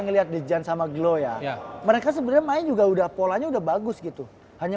ngelihat di jan sama glo ya mereka sebenarnya main juga udah polanya udah bagus gitu hanya